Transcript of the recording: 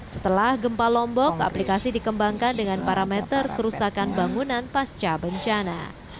setelah gempa lombok aplikasi dikembangkan dengan parameter kerusakan bangunan pasca bencana